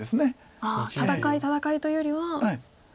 戦い戦いというよりは。